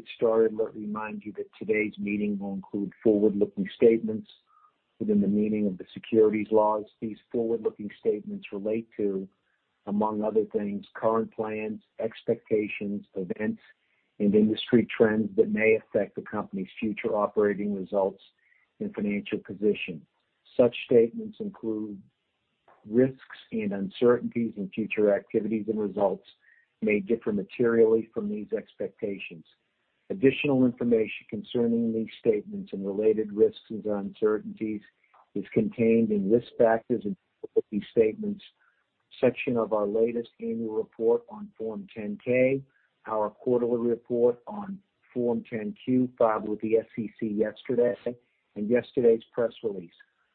Before we get started, let me remind you that today's meeting will include forward-looking statements within the meaning of the securities laws. These forward-looking statements relate to, among other things, current plans, expectations, events, and industry trends that may affect the company's future operating results and financial position. Such statements include risks and uncertainties, and future activities and results may differ materially from these expectations. Additional information concerning these statements and related risks and uncertainties is contained in Risk Factors and Cautionary Statements section of our latest annual report on Form 10-K, our quarterly report on Form 10-Q filed with the SEC yesterday's press release.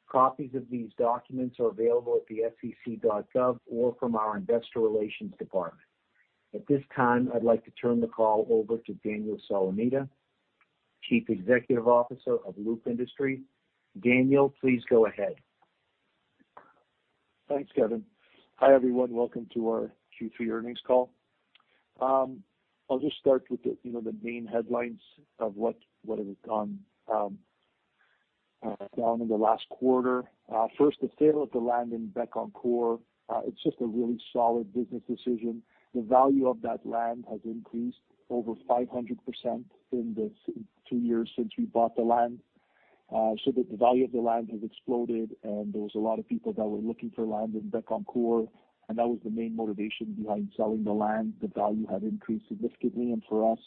Copies of these documents are available at the sec.gov or from our investor relations department. At this time, I'd like to turn the call over to Daniel Solomita, Chief Executive Officer of Loop Industries. Daniel, please go ahead. Thanks, Kevin. Hi, everyone. Welcome to our Q3 earnings call. I'll just start with the, you know, the main headlines of what has gone down in the last quarter. First, the sale of the land in Bécancour, it's just a really solid business decision. The value of that land has increased over 500% in the 2 years since we bought the land. The value of the land has exploded, and there was a lot of people that were looking for land in Bécancour, and that was the main motivation behind selling the land. The value had increased significantly. For us,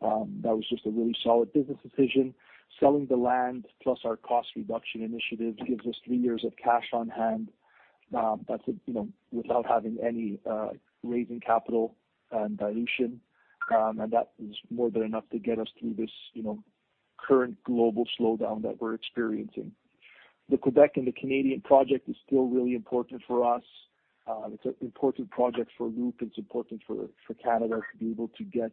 that was just a really solid business decision. Selling the land plus our cost reduction initiative gives us 3 years of cash on hand, that's, you know, without having any raising capital and dilution. That is more than enough to get us through this, you know, current global slowdown that we're experiencing. The Quebec and the Canadian project is still really important for us. It's an important project for Loop and it's important for Canada to be able to get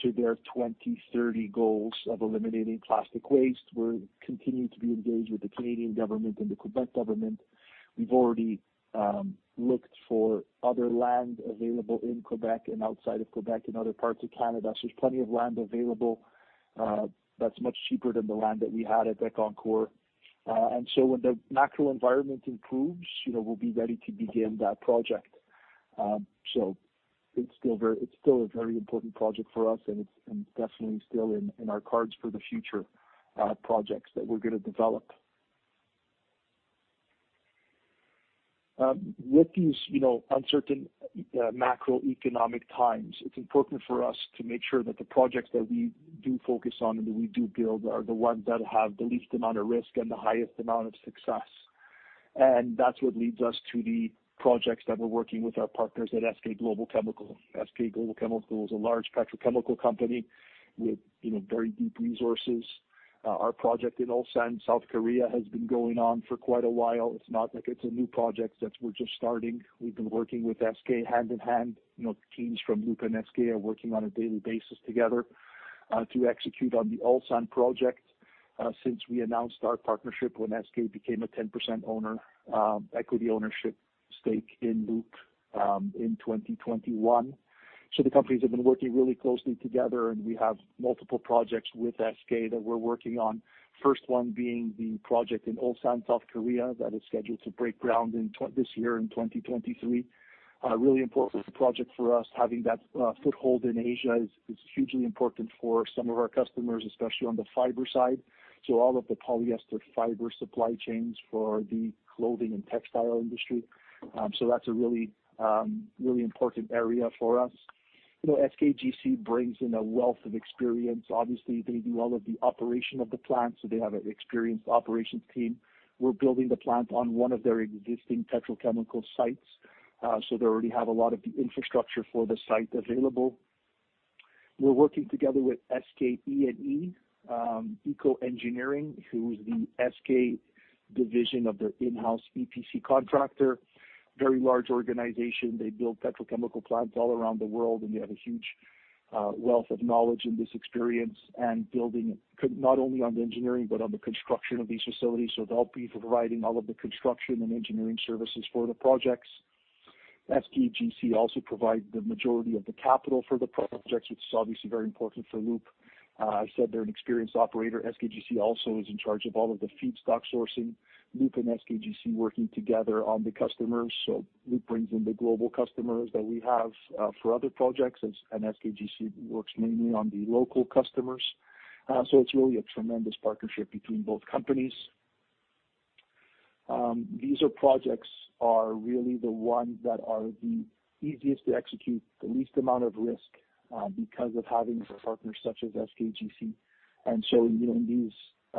to their 2030 goals of eliminating plastic waste. We're continuing to be engaged with the Canadian government and the Quebec government. We've already looked for other land available in Quebec and outside of Quebec in other parts of Canada. There's plenty of land available that's much cheaper than the land that we had at Bécancour. When the macro environment improves, you know, we'll be ready to begin that project. It's still a very important project for us, and it's definitely still in our cards for the future projects that we're gonna develop. With these, you know, uncertain macroeconomic times, it's important for us to make sure that the projects that we do focus on and that we do build are the ones that have the least amount of risk and the highest amount of success. That's what leads us to the projects that we're working with our partners at SK Geo Centric. SK Geo Centric is a large petrochemical company with, you know, very deep resources. Our project in Ulsan, South Korea, has been going on for quite a while. It's not like it's a new project that we're just starting. We've been working with SK hand in hand. You know, teams from Loop and SK are working on a daily basis together to execute on the Ulsan project since we announced our partnership when SK became a 10% owner, equity ownership stake in Loop in 2021. The companies have been working really closely together, and we have multiple projects with SK that we're working on. First one being the project in Ulsan, South Korea, that is scheduled to break ground this year in 2023. Really important project for us. Having that foothold in Asia is hugely important for some of our customers, especially on the fiber side, so all of the polyester fiber supply chains for the clothing and textile industry. So that's a really important area for us. You know, SKGC brings in a wealth of experience. Obviously, they do all of the operation of the plant, so they have an experienced operations team. We're building the plant on one of their existing petrochemical sites, so they already have a lot of the infrastructure for the site available. We're working together with SK ecoplant, Eco 工 程, who is the SK division of their in-house EPC contractor. Very large organization. They build petrochemical plants all around the world, and they have a huge wealth of knowledge in this experience and building not only on the engineering but on the construction of these facilities. They'll be providing all of the construction and engineering services for the projects. SKGC also provide the majority of the capital for the projects, which is obviously very important for Loop. I said they're an experienced operator. SKGC also is in charge of all of the feedstock sourcing. Loop and SKGC working together on the customers. Loop brings in the global customers that we have for other projects and SKGC works mainly on the local customers. It's really a tremendous partnership between both companies. These are projects are really the ones that are the easiest to execute, the least amount of risk, because of having a partner such as SKGC. You know, in these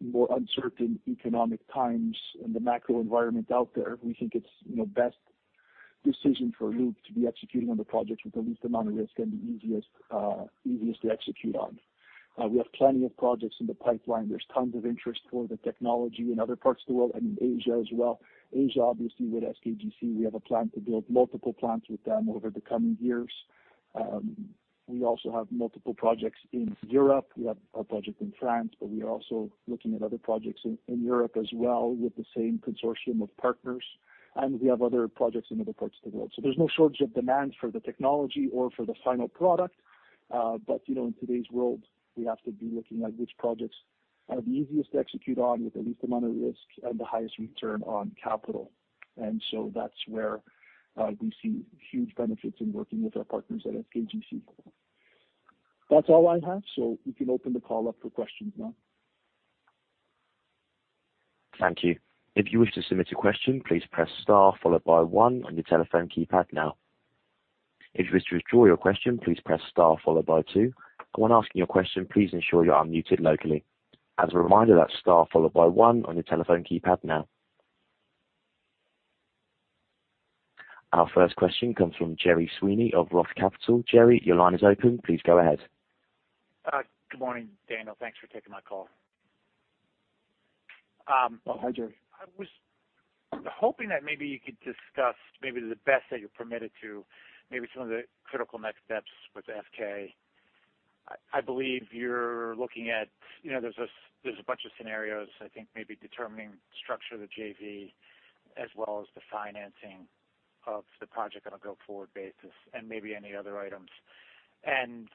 more uncertain economic times in the macro environment out there, we think it's, you know, best decision for Loop to be executing on the projects with the least amount of risk and the easiest to execute on. We have plenty of projects in the pipeline. There's tons of interest for the technology in other parts of the world and in Asia as well. Asia, obviously with SKGC, we have a plan to build multiple plants with them over the coming years. We also have multiple projects in Europe. We have a project in France, but we are also looking at other projects in Europe as well with the same consortium of partners. We have other projects in other parts of the world. There's no shortage of demand for the technology or for the final product. You know, in today's world, we have to be looking at which projects are the easiest to execute on with the least amount of risk and the highest return on capital. That's where we see huge benefits in working with our partners at SKGC. That's all I have, so we can open the call up for questions now. Thank you. If you wish to submit a question, please press star followed by one on your telephone keypad now. If you wish to withdraw your question, please press star followed by two. When asking your question, please ensure you're unmuted locally. As a reminder, that's star followed by one on your telephone keypad now. Our first question comes from Gerard Sweeney of ROTH Capital. Gerry, your line is open. Please go ahead. Good morning, Daniel. Thanks for taking my call. Oh, hi, Gerry. I was hoping that maybe you could discuss maybe the best that you're permitted to, maybe some of the critical next steps with SK. I believe you're looking at, you know, there's a bunch of scenarios, I think maybe determining structure of the JV, as well as the financing of the project on a go-forward basis and maybe any other items.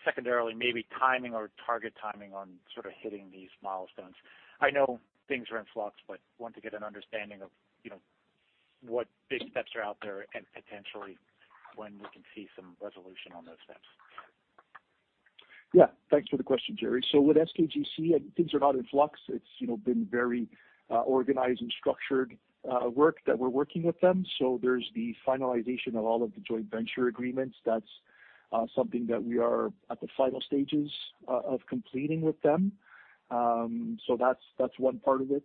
Secondarily, maybe timing or target timing on sort of hitting these milestones. I know things are in flux, but want to get an understanding of, you know, what big steps are out there and potentially when we can see some resolution on those steps. Yeah. Thanks for the question, Jerry. With SKGC, things are not in flux. It's, you know, been very organized and structured work that we're working with them. There's the finalization of all of the joint venture agreements. That's something that we are at the final stages of completing with them. That's one part of it.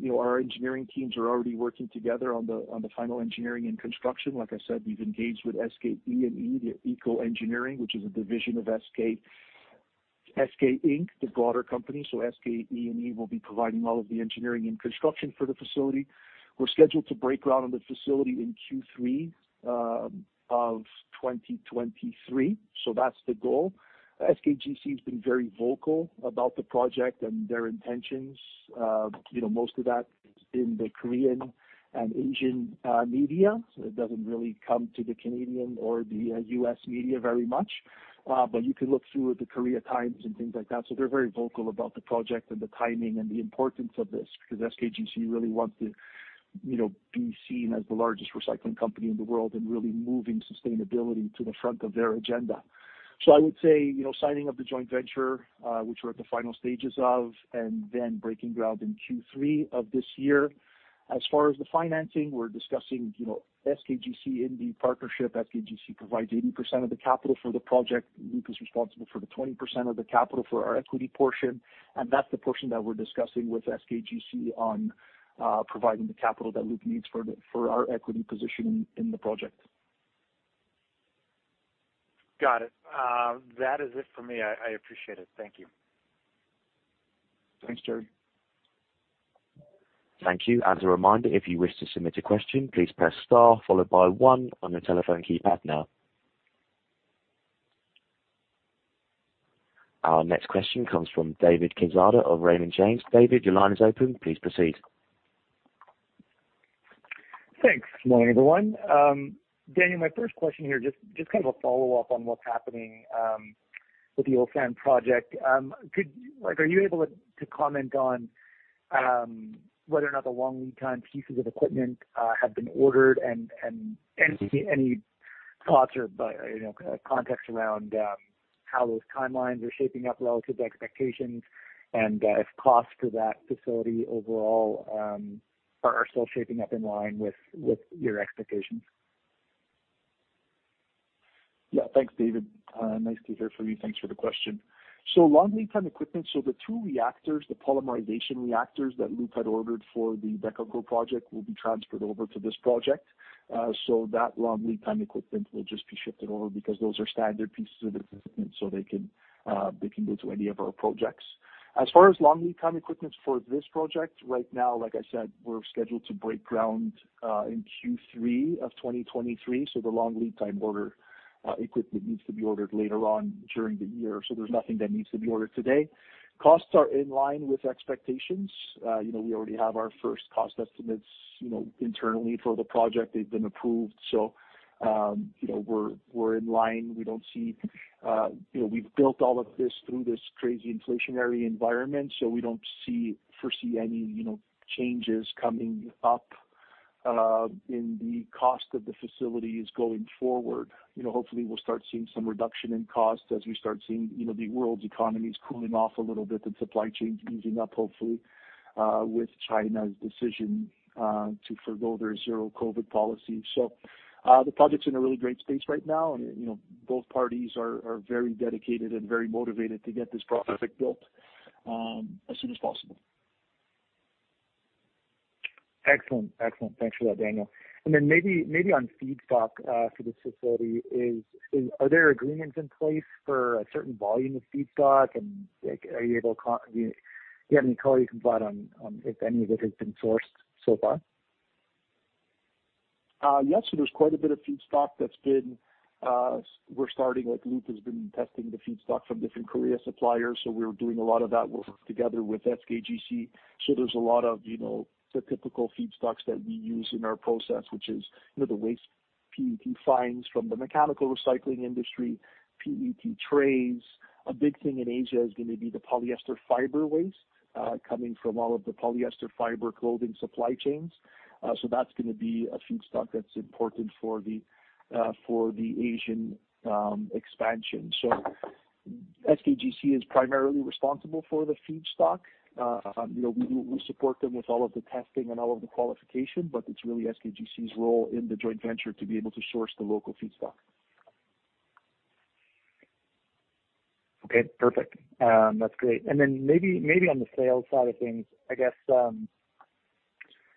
You know, our engineering teams are already working together on the final engineering and construction. Like I said, we've engaged with SK ecoplant, the Eco Engineering, which is a division of SK Inc, the broader company. SK ecoplant will be providing all of the engineering and construction for the facility. We're scheduled to break ground on the facility in Q3 of 2023. That's the goal. SKGC has been very vocal about the project and their intentions, you know, most of that in the Korean and Asian media. It doesn't really come to the Canadian or the U.S. media very much. You could look through The Korea Times and things like that. They're very vocal about the project and the timing and the importance of this because SKGC really wants to, you know, be seen as the largest recycling company in the world and really moving sustainability to the front of their agenda. I would say, you know, signing of the joint venture, which we're at the final stages of, and then breaking ground in Q3 of this year. As far as the financing, we're discussing, you know, SKGC in the partnership. SKGC provides 80% of the capital for the project. Loop is responsible for the 20% of the capital for our equity portion, and that's the portion that we're discussing with SKGC on providing the capital that Loop needs for our equity position in the project. Got it. That is it for me. I appreciate it. Thank you. Thanks, Gerry. Thank you. As a reminder, if you wish to submit a question, please press star followed by 1 on your telephone keypad now. Our next question comes from David Quezada of Raymond James. David, your line is open. Please proceed. Thanks. Morning, everyone. Daniel, my first question here, just kind of a follow-up on what's happening with the Ulsan project. Like, are you able to comment on whether or not the long lead time pieces of equipment have been ordered and any thoughts or, you know, context around how those timelines are shaping up relative to expectations and if costs for that facility overall are still shaping up in line with your expectations? Thanks, David. Nice to hear from you. Thanks for the question. Long lead time equipment, so the two reactors, the polymerization reactors that Loop had ordered for the Bécancour project will be transferred over to this project. So that long lead time equipment will just be shifted over because those are standard pieces of equipment, so they can go to any of our projects. As far as long lead time equipments for this project, right now, like I said, we're scheduled to break ground in Q3 of 2023, so the long lead time order, equipment needs to be ordered later on during the year. There's nothing that needs to be ordered today. Costs are in line with expectations. You know, we already have our first cost estimates, you know, internally for the project. They've been approved. You know, we're in line. We don't see, you know, we've built all of this through this crazy inflationary environment, we don't see, foresee any, you know, changes coming up in the cost of the facilities going forward. You know, hopefully we'll start seeing some reduction in cost as we start seeing, you know, the world's economies cooling off a little bit and supply chains easing up, hopefully, with China's decision to forgo their zero-COVID policy. The project's in a really great space right now and, you know, both parties are very dedicated and very motivated to get this project built as soon as possible. Excellent. Thanks for that, Daniel Solomita. Maybe on feedstock for this facility, are there agreements in place for a certain volume of feedstock? Like, are you able to provide any color on if any of it has been sourced so far? Yes. There's quite a bit of feedstock that's been, Loop has been testing the feedstock from different Korea suppliers, so we're doing a lot of that work together with SKGC. There's a lot of, you know, the typical feedstocks that we use in our process, which is, you know, the waste PET fines from the mechanical recycling industry, PET trays. A big thing in Asia is gonna be the polyester fiber waste, coming from all of the polyester fiber clothing supply chains. That's gonna be a feedstock that's important for the, for the Asian expansion. SKGC is primarily responsible for the feedstock. You know, we support them with all of the testing and all of the qualification, but it's really SKGC's role in the joint venture to be able to source the local feedstock. Okay, perfect. That's great. Then maybe on the sales side of things, I guess,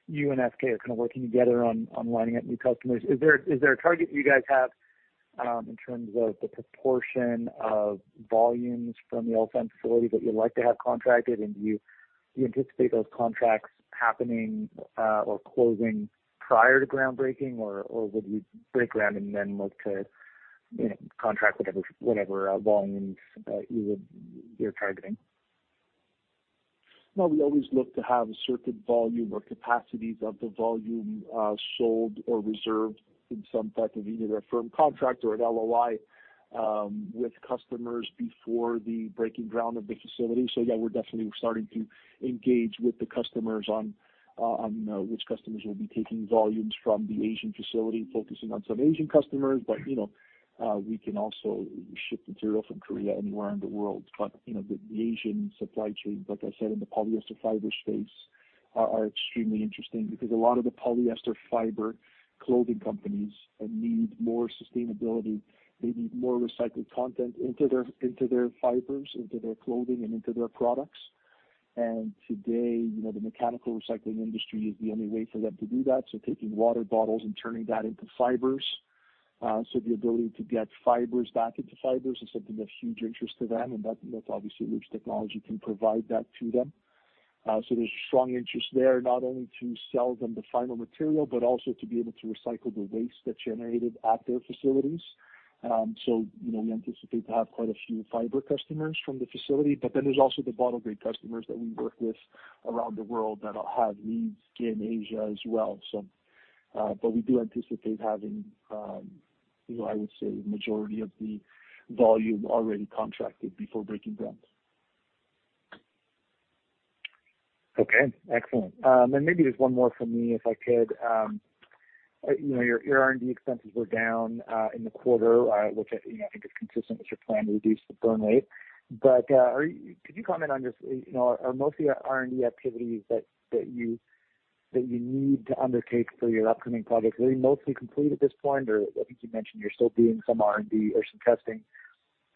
you and SK are kinda working together on lining up new customers. Is there a target you guys have, in terms of the proportion of volumes from the Ulsan facility that you'd like to have contracted? Do you anticipate those contracts happening or closing prior to groundbreaking, or would you break ground and then look to, you know, contract whatever volumes you're targeting? We always look to have a certain volume or capacities of the volume sold or reserved in some type of either a firm contract or an LOI with customers before the breaking ground of the facility. Yeah, we're definitely starting to engage with the customers on which customers will be taking volumes from the Asian facility, focusing on some Asian customers. You know, we can also ship material from Korea anywhere in the world. You know, the Asian supply chain, like I said, in the polyester fiber space are extremely interesting because a lot of the polyester fiber clothing companies need more sustainability. They need more recycled content into their, into their fibers, into their clothing and into their products. Today, you know, the mechanical recycling industry is the only way for them to do that, so taking water bottles and turning that into fibers. The ability to get fibers back into fibers is something of huge interest to them, and that's obviously Loop's technology can provide that to them. There's strong interest there, not only to sell them the final material, but also to be able to recycle the waste that's generated at their facilities. You know, we anticipate to have quite a few fiber customers from the facility. There's also the bottle grade customers that we work with around the world that'll have needs in Asia as well, so. We do anticipate having, you know, I would say the majority of the volume already contracted before breaking ground. Okay, excellent. Maybe just one more from me, if I could. You know, your R&D expenses were down in the quarter, which I, you know, think is consistent with your plan to reduce the burn rate. Could you comment on just, you know, are most of your R&D activities that you, that you need to undertake for your upcoming projects, are they mostly complete at this point? Or I think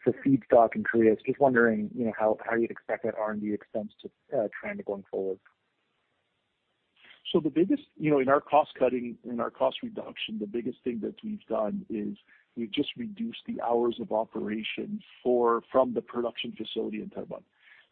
you mentioned you're still doing some R&D or some testing for feedstock in Korea. I was just wondering, you know, how you'd expect that R&D expense to trend going forward? The biggest... You know, in our cost cutting, in our cost reduction, the biggest thing that we've done is we've just reduced the hours of operation from the production facility in Terrebonne.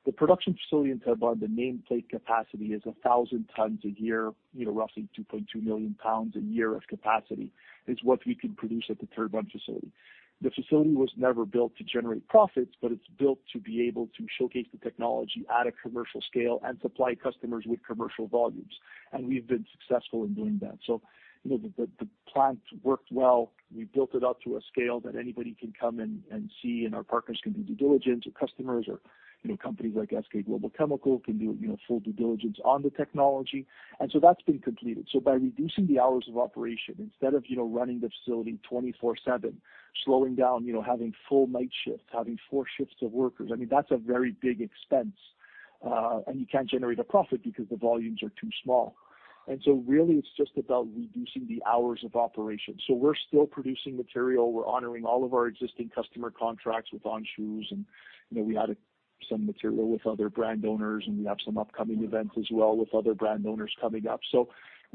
The production facility in Terrebonne, the nameplate capacity is 1,000 tons a year, you know, roughly 2.2 million pounds a year of capacity, is what we can produce at the Terrebonne facility. The facility was never built to generate profits, but it's built to be able to showcase the technology at a commercial scale and supply customers with commercial volumes. We've been successful in doing that. You know, the plant worked well. We built it up to a scale that anybody can come and see, and our partners can do due diligence or customers or, you know, companies like SK GEO Centric can do, you know, full due diligence on the technology. That's been completed. By reducing the hours of operation, instead of, you know, running the facility 24/7, slowing down, you know, having full night shifts, having 4 shifts of workers, I mean, that's a very big expense. You can't generate a profit because the volumes are too small. Really it's just about reducing the hours of operation. We're still producing material. We're honoring all of our existing customer contracts with On Shoes and, you know, we added some material with other brand owners, and we have some upcoming events as well with other brand owners coming up. We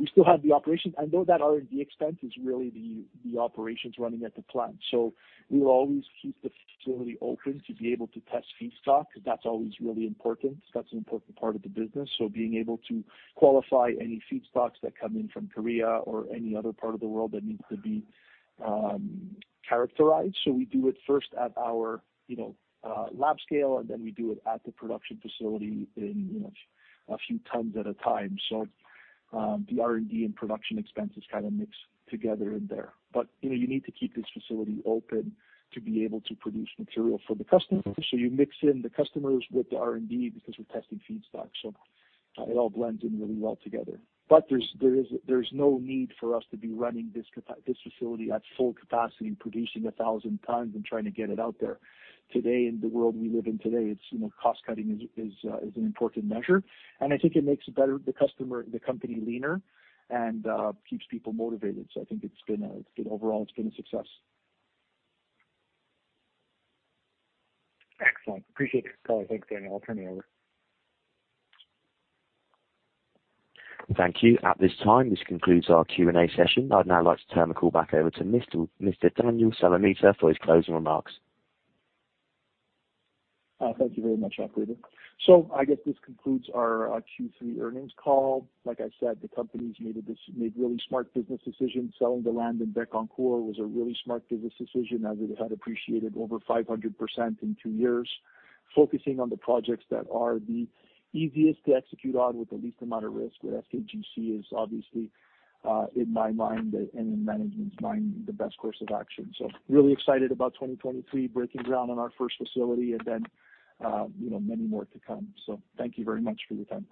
still have the operation. Though that R&D expense is really the operations running at the plant. We will always keep the facility open to be able to test feedstock 'cause that's always really important. That's an important part of the business. Being able to qualify any feedstocks that come in from Korea or any other part of the world that needs to be, characterized. We do it first at our, you know, lab scale, and then we do it at the production facility in, you know, a few tons at a time. The R&D and production expenses kinda mix together in there. You know, you need to keep this facility open to be able to produce material for the customers. You mix in the customers with the R&D because we're testing feedstock. It all blends in really well together. There's no need for us to be running this facility at full capacity and producing 1,000 times and trying to get it out there. Today, in the world we live in today, it's, you know, cost cutting is an important measure. I think it makes the customer, the company leaner and keeps people motivated. I think it's been overall, it's been a success. Excellent. Appreciate the call. Thanks, Daniel. I'll turn it over. Thank you. At this time, this concludes our Q&A session. I'd now like to turn the call back over to Mr. Daniel Solomita for his closing remarks. Thank you very much, operator. I guess this concludes our Q3 earnings call. Like I said, the company's made really smart business decisions. Selling the land in Bécancour was a really smart business decision, as it had appreciated over 500% in two years. Focusing on the projects that are the easiest to execute on with the least amount of risk with SKGC is obviously, in my mind, and in management's mind, the best course of action. Really excited about 2023, breaking ground on our first facility and then, you know, many more to come. Thank you very much for your time.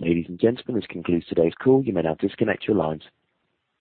Ladies and gentlemen, this concludes today's call. You may now disconnect your lines.